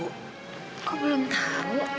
kok belum tahu